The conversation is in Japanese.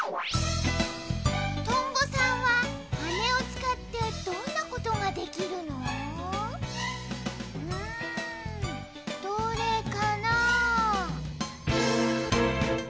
とんぼさんははねをつかってどんなことができるの？うん。どれかな？